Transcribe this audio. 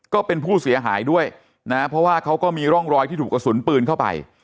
ก็เป็นผู้เสียหายด้วยนะเพราะว่าเขาก็มีร่องรอยที่ถูกกระสุนปืนเข้าไป